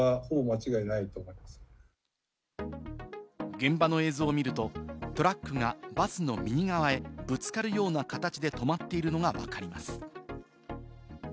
現場の映像を見ると、トラックがバスの右側へぶつかるような形で止まっているのがわかります。